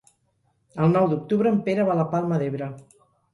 El nou d'octubre en Pere va a la Palma d'Ebre.